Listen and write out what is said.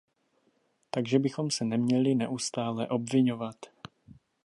Takže bychom se neměli neustále obviňovat.